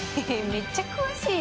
めっちゃ詳しいね！